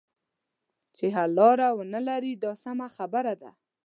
چې حل لاره ونه لري دا سمه خبره ده.